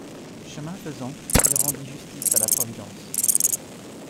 Chemin faisant, il rendit justice à la providence.